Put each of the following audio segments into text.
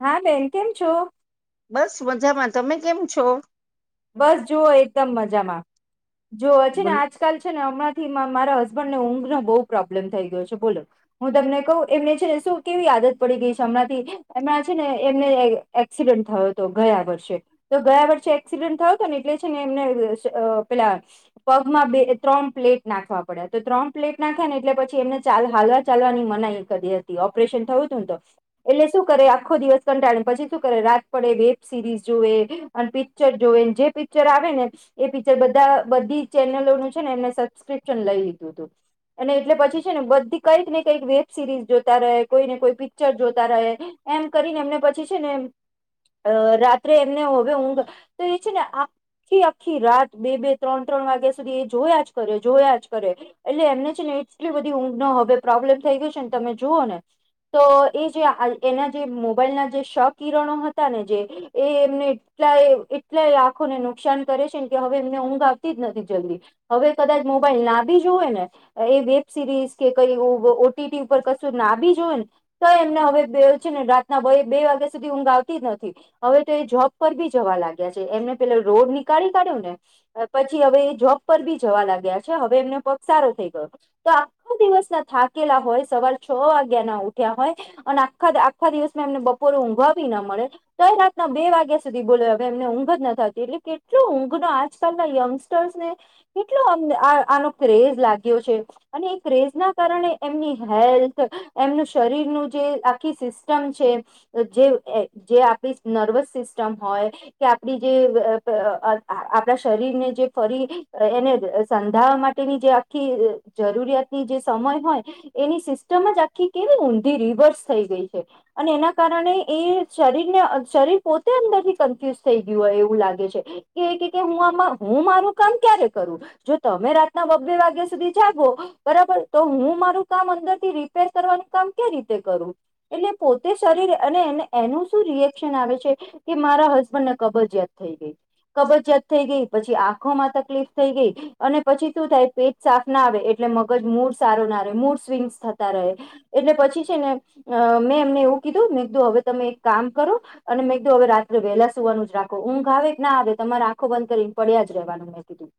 હા બેન કેમ છો. બસ મજામાં તમે કેમ છો. બસ જુઓ એકદમ મજામાં જુઓ છે ને બોલો. આજકાલ છે ને હમણાં મારા હસબનને ઊઘનો બહ પ્રોબ્લેમ થઈ ગયો છે બોલો હું તમને કહું એમને છેને શું કેવી આદત પડી ગઈ છે હમણાંથી એમણા છે ને એમને એક્સિડન્ટ થયો હતો ગયા વર્ષે તો ગયા વર્ષે એક્સિડન્ટ થયો હતો ને એટલે છે ને એમને અ પેલા પગમાં બે ત્રણ પ્લેટ નાખવા પડ્યા તો ત્રણ પ્લેટ નાખ્યા ને એટલે પછી એમને હાલવા ચાલવાની મનાઈ કરી હતી ઓપરેશન થયું હતું ને તો એટલે શું કરે આખો દિવસ કંટાળીને પછી શું કરે રાત પડે વેબ સિરીઝ જોુએ અને પિચ્ચર જોવે જે પિચ્ચર આવે ને એ પિચ્ચર બધા બધી ચેનલોનું છે ને એમને સબસ્ક્રિપ્શન લઈ હી તો તો અને એટલે પછી છે ને બધી કંઈક ને કઈક વેબ સિરીઝ જોતા રહે કોઈ ને કોઈ પિક્ચર જોતા રહે એમ કરીને એમને પછી છે ને રાત્રે એમને હવે ઊંઘ તો એ છે ને આખી આખી રાત બે બે ત્રણ ત્રણ વાગ્યા સુધી એ જોયા જ કરે જોયા જ કરે એટલે એમને છે એટલિ બધી ઊંઘ નોહવે પ્રોબ્લેમ થઈ ગયો છે ને તમે જુઓ ને તો એ જે એના જે મોબાઈલના જે શ કિરણો હતા ને જે એ એમને [unintelligible] એટલે એ આંખોને નુકસાન કરે છે ને કે હવે એમને ઊંઘ આવતી જ નથી જલ્દી હવે કદાચ મોબાઈલ ના બી જો એ વેબ સિરી કે ઓ ઓટીપી ઉપર કશુંર નાભી જોએને તો એમના હવે બેઉછે ને રાતના બે વાગ્યા સુધી ઊંઘ આવતી જ નથી હવે તો એ જોબ પર બી જવા લાગે કયા છે એમને પેલો રોડ નીળી કાઢ્યો ને પછી હવે જોબ પર ભી જવા લાગ્યા છે હવે એમને પગ સારો થઈ ગયો તો આખા દિવસ ના થાકેલા હોય સવાર છ વાગ્યા ના ઉઠ્યા હોય અને આખા આખા દિવસમાં એમને બપોરે ઊંઘવા ભી ના મળે તો એ રાતના બે વાગ્યા સુધી બોલો એમને ઊંઘ જ નતી આવતી એટલે કેટલો ઊંઘ ન આજકાલના યંગસ્ટર્સને કેટલો અમ આર આર હલો ક્રેજ લાગ્યો છે અને એ ક્રેજ ના કારણે એમની હેલ્થ, હઅ એમનું શરીર. જે આખી સિસ્ટમ છે. જેઉએ જે આપડી નર્વસ સિસ્ટમ હોય. હે કે આપડી જે અપ અઆઆ આપણા શરીરને જે ફરી હાઈ એને સંધાવા માટે. તે ની જે આખીય જરૂરિયાતની જે સમય હોય, એની સિસ્ટમ જ આખી કેવી ઊંધી. રિત વર્સ થઈ ગઈ હે અને એના કારણે એ શરીરને અ શરીર પોતે અંદર થી કન્ફ્યુઝ. થઈ ગયું હોય એવું લાગે છે. કે કે કે હું આમા હું મારુ કામ ક્યારે કરું? અ જો તમે રાતના. બે બે વાગ્યા સુધી જાગું. અહ બરાબર તો હું મારું કામ અંદર થી રીપેર કરવાનું કામ કે રીતે? કરું એટલે પોતે શરીર અને એને એનું શું રિએક્શન આવે છે? કે મારા હસબન્ડ. કબજિયાત થઈ ગઈ. કબજિયાત થઈ ગઈ. પછી આંખોમાં તકલીફ થઈ ગઈ. અને પછી શું થાય પેટ સાફ ના આવે એટલે. તેમગજ મૂળ સારો ના રહ્યુ મૂળ સ્વિંગ થતા રહે. એટલે પછી છે ને મેં એમને. કીઘુ મે તો હવે તમે એક કામ કરો, અને મેં હવે રાત્રે વેલા સુવાનું. રાખો ઊંઘ આવે કે ના આવે, તમારે આંખો બંધ કરીને પડ્યા જ રહેવાનું મે કીઘુ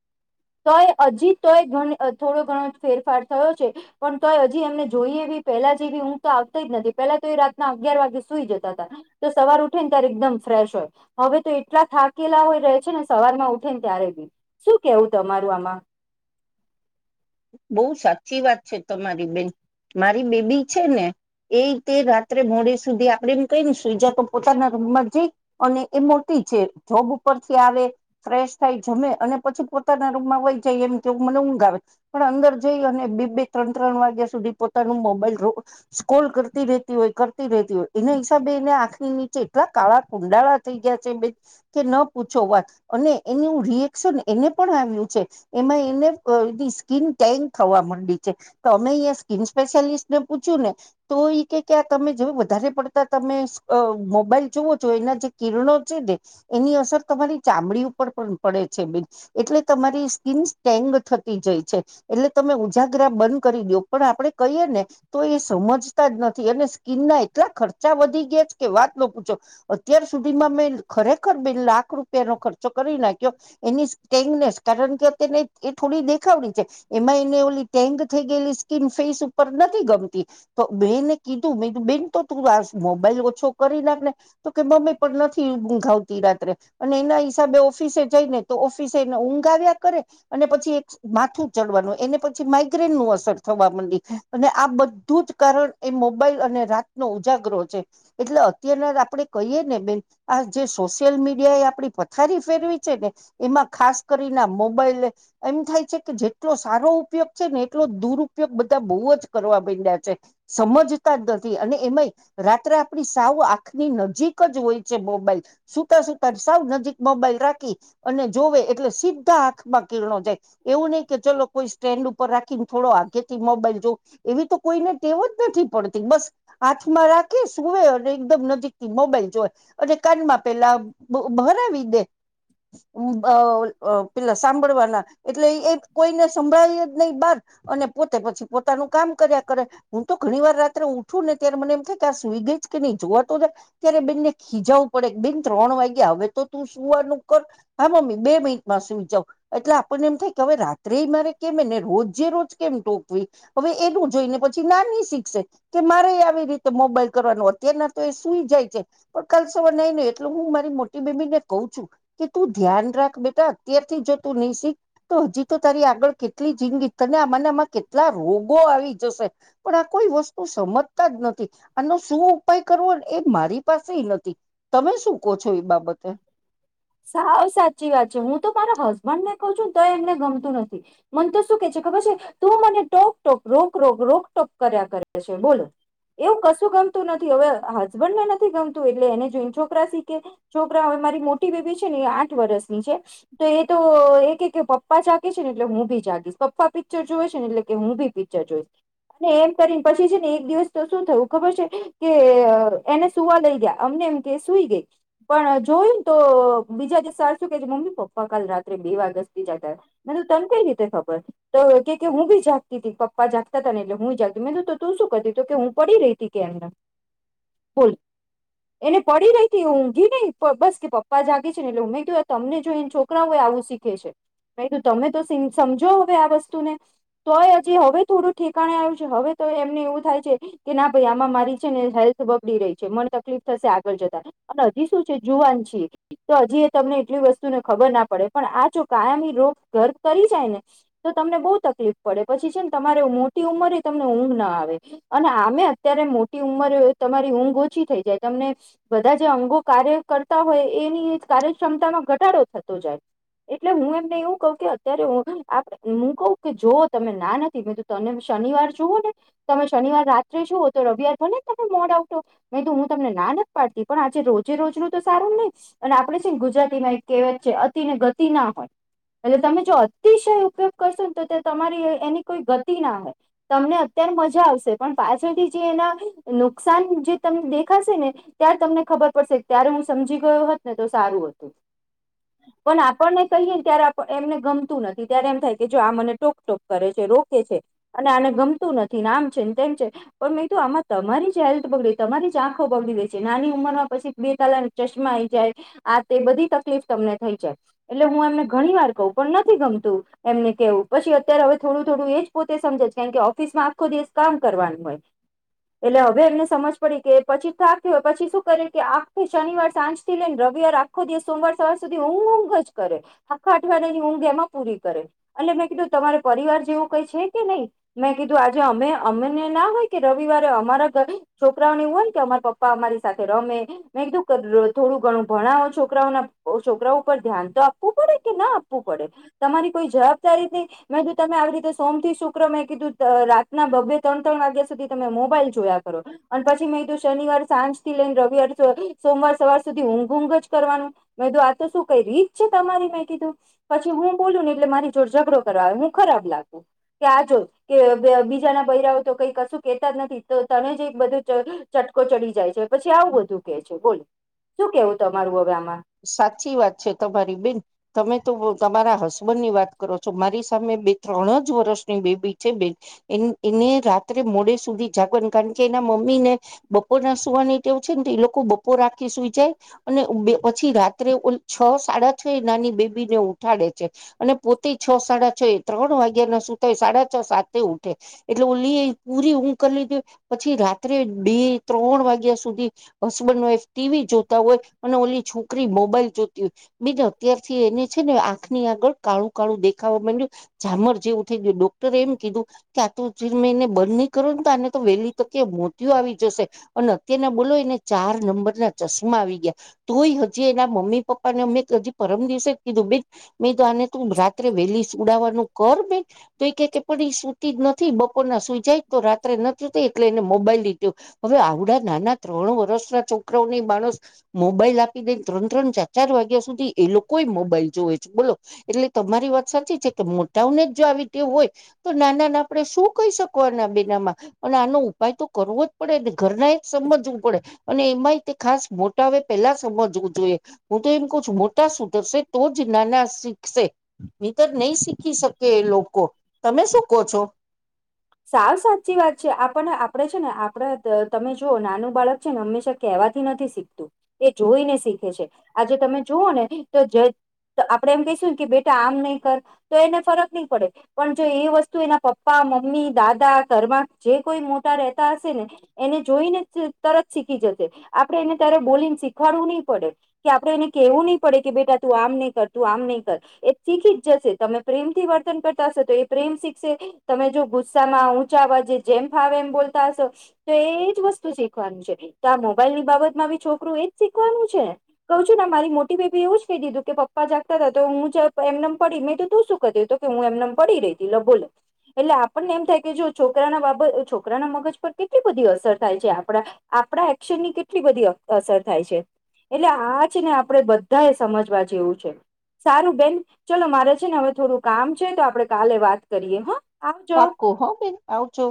તોય હજી તોય ઘણ અ થોડો ઘણો ફેરફાર થયો છે. પણ તોય હજી એમને જોઈએવી. પહેલા જેવી ઊઘ તો આવતી જ નથી. પેલા તો એ રાતના અગિયાર વાગે સુઈ જતા હતા. તો સવાર ઉઠી ને ત્યારે એકદમ. ફ્રેશ હોય. હવે તો એટલા થાકેલા હોય રહે છે ને સવાર માં ઉઠે ને ત્યારે બી. શું કેવું તમારું આમાં? [inaudible] બહુ સાચી વાત છે. તમારી બેન. મારી બેબી છે ને? એ તે રાત્રે મોડે સુધી આપડે એમ કઈને સુઈજા તો પોતાના રૂમમાં જઈ. અને એ મોટી. ઈછે જોબ ઉપરથી આવે, ફ્રેશ થાય જમે, અને પછી પોતાના રૂમમાં વહી જઈએ એમ મને. ઉઘ આવે પણ અંદર જઈ અને બે બે ત્રણ ત્રણ વાગ્યા સુધી પોતાનું મોબાઈલ જોવે સ્કોલ કરતી રહેતી હોય. કરતી રેતી હોય. એના હિસાબે એને આંખની નીચે એટલા કાળા કુંડાળા થઈ ગયા છે બેન. કે ન પૂછો વાત અને એનું રિએક્શન એને પણ આવ્યું છે. એમાં એને કર તીસ સ્કીન ટેન્ક થવા માંડી છે. તમે એસ સ્કીિન સ્પેશિયાલિસ્ટ ને પૂછ્યું ને, તોઈ એ કે કે ક્યા. તમે જો વધારે પડતા તમે સ અ મોબાઈલ જુવોઓ છો એના જે કિરણો છે ને એની. સર તમારી ચામડી ઉપર પણ પણ પડે છે બેન. એટલે તમારી સ્કીિન સટેંગ થતી જાય છે. એટલે તમે ઉજાગરા બંધ કરી દો. પણ આપડણે કહીયએ ને તો એ સમજતા જ નથી. અને સ્કિનના એટલા ખર્ચા વધી ગયા છે કે વાત ન પૂછો. અત્યાર સુધીમાં મેં ખરેખર બે લાખ. લાખ રૂપિયાનોો ખર્ચો કરી નાખ્યો. એની સેંગનેસ કારણ કે તેને એ થોડી દેખાવડી છે. એમાં એને ઓલી ટેંગ થઈ ગયેલી સ્કીિન ફેસ ઉપર નથી ગમતી. તો મેએને કીધું મે બેન તો તું વા મોબાઈલ ઓછો કરી, નાખ ને. તો કે મમ્મી પણ નથી ઊંઘાવતી રાત્રે. અને એના હિસાબે ઓફિસે જઈને તો ઓફિસે એને ઊંઘાવ્યા કરે. અને પછી એક માથું. ચડવાનું એને પછી, માઇગ્રેન નું અસર થવા માંડી. અને આ બધું જ કારણ એ મોબાઈલ અને. રાતનો ઉજાગરો છે. એટલે અત્યારના આપે કહીએ ને બેન. આ જે સોશિયલ મીડિયા. આપડી પથારી ફેરવી છે ને. એમાં ખાસ કરીને મોબાઈલ એમ થાય છે કે જે. એટલો સારો ઉપયોગ છે ને, એટલો દુરપયોગ બધા બહુ જ કરવા બ્યા છે. સમજતા અને એમાંય રાત્રે આપડી સાવ આખની નજીક જ હોય છે મોબાઈલ. સુતા સુતા સા નજીક મોબાઈલ રાખી, અને જોવે એટલે સીધા આંખમાં કિરણો જાય. એવું નહી કે ચલો કોઈ સ્ટેન્ડ ઉપર રાખીને થોડો આગે થી મોબાઈલ જો. એવી તો કોઈને ટેવ જ નથી પડતી. બસ હાથમાં રાખે સુવે, અને એકદમ નજીક થી મોબાઈલ જોય. અને કાનમાં પેલા ભરાવી દે. પેલા સાંભળવાના એટલે એ. કોઈને સંભળાવી જ નહી. બાર અને પોતે પછી પોતાનું કામ કર્યા કરે હું તો ઘણી વાર રાત્રે. ઉઠું ને ત્યારે મને એમ થાય કે, આ સ્ગ જ કે નહી જોવાતો જાય. ત્યારે બેનને ખીજાવું પડે બેન ત્રણ વાગે. હવે તો તું સુવાનું કર. હા મમ્મી બે મિનિટમાં સુઈ જાવ. એટલે આપણને એમ થાય કે હવે રા. ર મારે કે ને રોજે રોજ કેમ ટોકવી. હવે એનું જોઈને પછી નાની શીખશે. મારે આવી રીતે મોબાઈલ કરવાનું અત્યારના તો એ સુઈ જાય છે. પણ કાલ સવાર નઈ ન એટલે હું મારી. મો બેમીને કહ છું. કે તું ધ્યાન રાખ બેટા અત્યારથી જો તું નહી. શીખ તો હજી. તો તારી આગળ કેટલી જિંદગી. તને આમાંનામાં કેટલા રોગો આવી જશે. પણ આ કોઈ વસ્તુ. સમજતા જ નથી આનો શું ઉપાય કરવો એ મારી પાસે નથી તમે શું ક છો? બાબતે સા સાચી વાત છે, હું તો મારા હસબન્ડ ને કહ છું તો એમને ગમતું નથી મને તો શું કે છે ખબર છે તું મને ટોક ટોક રોક રોક રોક ટોક કર્યા કરે છે બોલો. એવું કશું ગમતું નથી હવે હસબન્ડ ને નથી ગમતું એટલે એને જોઈને છોકરા શીખે છોકરા હવે મારી મો મો બેબી છે, ને એ આઠ વર્ષની છે તો એ તો એ કે કે પપ્પા જાગે છે, ને એટલે હું ભી જાગીશ કફા પિક્ચર જોએ છે, ને એટલે કે હું બી પિક્ચર જોઈશ અને એમ કરીને પછી છે ને એક દિવસ તો શું થયું ખબર છે, કે એને સુવા લઈ ગયા અમને કેમ કે સુઈ ગઈ પણ જોયું ને તો બીજા જે શું કે મમ્મી પપ્પા કાલ રાત્રે બે વાગેથી જતા મ તને કઈ રીતે ખબર કે હું બી જાગતી હતી પપા જાગતા હતા ને એટલે હું જાગતી મે તું શું કર તું કે હું પડી રહી હતી કેમ એને પડી નહી ઊંઘી નહી બસ કે પપ્પા જાગી છે ને એટલેમે કયું આ તમને જોઈને છોકરાઓય આવું શીખે છે. કું તમે તો સમજો હવે આ વસ્તુને તોય હજી હવે થોડું ઠેકાણે આવ્યું છે હવે, તો એમને એવું થાય છે કે ના ભાઈ આમાં મારી છે ને હેલ્થ બબડી રહી છે મન તકલીફ થશે આગળ જતા અને હજી શું છે જુવાન છીએ તો હજી એ તમને એટલી વસ્તુને ખબર ના પડે પણ આ જો કાયમી રોગ ઘર્ કરી જાય ને તો તમને બહુ તકલીફ પડે પછી છેમને તમારે મોટી ઉંમરે તમને ઊંઘ ના આવે અને આમે અત્યારે મોટી ઉંમર તમારી ઊંઘ ઓછી થઈ જાય, તમને બધા જે અંગો કાર્ય કરતા હોય, એની કાર્યક્ષમતા ન ઘટાડો થતો જાય. એટલે હું એમને એવું કઉ કે અત્યારે હું કહ કે જો તમે ના નથી મેં તો તને શનિવાર જુઓ ને તમે શનિવાર રાત્રે જુઓ તો રવિવાર થો ને તમે મોડ આવઠો તો હું તમને ના પડતી પણ આજે રોજ રોજ નનું તો સારું નહી. અને આપણેે છે ને ગુજરાતીમાં એક કહેવાત છે, અતિને ગતિ ના હોય એટલે તમે જો અતિશય ઉપયોગ કરશો ને તો તમારી એની કોઈ ગતિ ના હોય તમને મજા આવશે પણ પાછળથી જે એના નુકસાન જે તમને દેખાશે ને ત્યારે તમને ખબ ખબર પડશે ત્યારે હું સમજી ગયોત ને તો સારું હતું. પણ આપણને કહીએ ત્યારે એમને ગમતું નથી ત્યારે એમ થાય કે જો આ મને ટોક ટોક કરે છે, રોકે છે અને આને ગમતું નથી આમ છેને તેમ છે, પણું આમાં તમારી હેલ્થ બગ રી આંખો પગડી દે છે, નાની ઉંમરમાં પછી બે તાલા ચશ્ જાય આ બધી તકલીફ તમને થઈ જાય એટલે હું એમને ઘણી વાર કહ પણ નથી ગમ એમને કેવું પછી અત્યારે હવે થોડું થોડું એજ પોતે સમજે કાર કે ઓફિસમાં આખો દિવસ કામ કરવાનું એટલે હવે એમને સમજ પડી કે પછી થા થ હોય પછી શું કરી કે આખથી શનિવાર સાંજ થી લઈને રવિવાર આખો દિવસ સોમવાર સવાર સુધી ઊં ઊંઘ જ કરે આખા અવાડિયાની ઊંઘ એમાં પૂરી કરે અને મેં કીધું તમારે પરિવાર જેવું કઈ છે કે નહી મેં કીધું આજે અમે અમને ના થાય કે રવિવારે અમારા ઘ છોકરાઓને એવું હોય કે અમારા પપ્પા અમારી સાથે રમે મેધું કર થોડું ઘણું ભણાવો છોકરાઓના છોકરાઓ ઉપર ધ્યાન તો આપવું પડે કે ના આપવું પડે તમારી કોઈ જવાબદારી થી મેં કીધુ તમે આવી રીતે સોમ થી શુક્ર મેં કીધું રાતના બબે ત્રણ ત્રણ વાગ્યા સુધ ત મોબાઈલ જોયા કરો અને પછી મેંધું શનિવાર સાંજ થી લઈને રવિવાર સોમવાર સવાર સુધી ઊંઘ ઊંઘ જ કરવાનું મેંધું આ તો શું કઈ રીત છે તમારી મેં કીધું પછી હું બોલું ને એટલે મારી જોડ ઝઘડો કરવા હું ખરાબ લગુ કે આજ કે બીજા ના બૈયરા તો કઈ કશું કેતા જ નથી તો તને જ એક બધું ચ ચટકો ચડી જાય છે પછી આવું બધું કે છે બોલ. શું કેવું તમારું હવે આમ. સાચી વાત છે, તમારી બેન તમે તો તમારા હસબન્ડ ની વાત કરો છો મારી સામે બે ત્રણ જ વર્ષની બેબી છે બેન એની એને રાત્રે મોડે સુધી જાગવા કારણ કે એના મમ્મી ને બપોર ના સુવાનીટેવું છેને લોકો બપોર રાખી સુઈ જાય અનેબે પછી રાત્રે ઓ છ સાડા છ નાની બેબી ને ઉઠાડે છે અને પોતે છ સાડા છ ત્રણ વાગ્યા ના સુતાય સાડા છ સા ઉઠે એટલે ઓ લ પૂરી ઊ કરી લધે પછી થી રાત્રે બે ત્રણ વાગ્યા સુધી હસબન્ડ વાઈફ ટી વી જોતા હોય અને ઓલી છોકરી મોબાઈલ જોતી હોય બીજા અત્યારથી એને છે ને આંખની આગળ કાળું કાળું દેખાવા માંડું. જામર જેવું થઈ ગયું ડોક્ટરે એમ કીધું કે આ ત મેં એને બંધ નહી કરો આને તો વેલી મોતયો આવી જશે અને અત્યારના બોલો એને ચાર નંબર ના ચશ્મા આવી ગયા. તોય હજી એના મમ્મી પપ્પા ને અમે હજી પરમ દિવસે જ કીધું બે મે તો આને તું રાત્રે વેલી સુડાવાનું કર બે તો એ કે કે પણ એ સુતી જ નથી બપોરના સુઈ જાય તો રાત્રે નથી તે એલેને મોબાઈલ લીધું હવે આવડા નાના ત્રણ વર્ષના છોકરાની માણસ મો બાઈલ આપી દઈ ત્રણ ત્રણ ચાર ચાર વાગ્યા સુધી એ લોકો મોબાઈલ જોવે છે બોલો એટલે તમારી વાત સાચી છે કે મોટાઓને જ જો આવી તેું હોય તો નાના ના આપડે શું કહી શકોના બેન આમાં. આનો ઉપાય તો કરવો જ પડે ને ઘરના એ સમજવું પડે અને એમાંય તે ખાસ મોટા અવે પેલા સમજવું જોઈએ હું તો એમ ક મોટા સુધરશે તો જ નાના શીખશે. [unintelligible] નહી શીખી શકે એ લોકો તમે શું કહો છો? હ સાવ સાચી વાત છે આપણને આપડે છે ને આપડ તમે જોુઓ નાનું બાળક છે ને હંમેશા કેવાય વાથી નથી શીખતું એ જોઈને શીખે છે આજે તમે જુઓ ને તો તો આપડે એમ કહીશું કે બેટા આમ નહીં કર તો એને ફરક નહી પડે પણ જો એ વસ્તુ એના પપ્પા મમી દાદા ઘરમાં જે કોઈ મોટા રેતા હશે ને એને જોઈ ને તરત શીખી જશે. આપડણે એને ત્યારે બોલીને શીખવાડવું નહી પડે કે આપણે એને કેહવું નહી પડે કે બેટા તું આમ નઈ કર તું આમ નહી. [unintelligible] જ જશે તમે પ્રેમથી વર્તન કરતા હો તો એ પ્રેમ શીખ તમે જો ગુ સા માં ઉંચાવા જે જેમ ફાવે એમ બોલતા હશો તો એજ વસ્તુ શીખવાનું છે તો આ મોબાઈલ એની બાબતમાં છોકરું એ જ શીખવાનું છે ક છું ને મારી મોટી બેેબી એવું જ કહી દીધું કે પપ્પા જાગતા તો હું એમનેમ પડી મેં તો તું શું ક્યું હત કે હું એમને પડી રહી હતી બોલે એટલે પણ એમ થાય કે જો છોકરા બાબ છોકરાના મગજ પર કેટલી બધી અસર થાય છે આપ આપણા ની કેટલી બધી અસર થાય છે. એટલે આ છે ને આપણેે બધા એ સમજવા જેવું છે. સારું બેન ચલો મારે છે ને હવે થોડું કામ છે તો આપડણે કાલે વાત કરીએ હા. આવજો. પાકુ હ બેન આવજો.